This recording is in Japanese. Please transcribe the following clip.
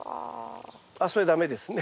あっそれ駄目ですね。